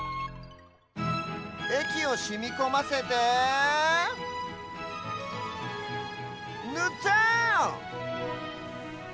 えきをしみこませてぬった！